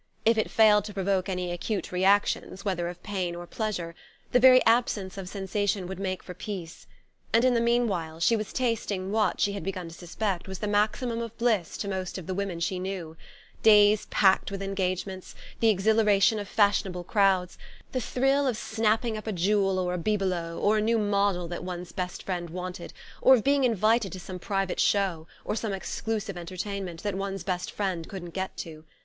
If it failed to provoke any acute reactions, whether of pain or pleasure, the very absence of sensation would make for peace. And in the meanwhile she was tasting what, she had begun to suspect, was the maximum of bliss to most of the women she knew: days packed with engagements, the exhilaration of fashionable crowds, the thrill of snapping up a jewel or a bibelot or a new "model" that one's best friend wanted, or of being invited to some private show, or some exclusive entertainment, that one's best friend couldn't get to.